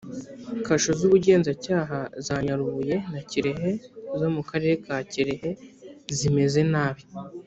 kasho z’ubugenzacyaha za nyarubuye na kirehe zo mu karere ka kirehe zimeze nabi